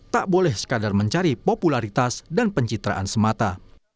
tak boleh sekadar mencari popularitas dan pencitraan semata